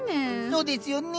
そうですよね。